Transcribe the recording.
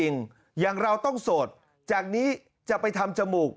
แถลงการแนะนำพระมหาเทวีเจ้าแห่งเมืองทิพย์